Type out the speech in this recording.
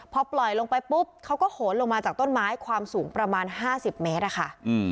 พอปล่อยลงไปปุ๊บเขาก็โหนลงมาจากต้นไม้ความสูงประมาณ๕๐เมตรอะค่ะ